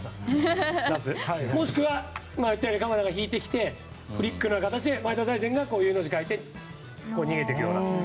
もしくは、鎌田が引いてきてフリックのような形で前田大然がＵの字を描いて逃げていくような。